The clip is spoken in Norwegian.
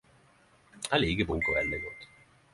Eg lika boka veldig godt.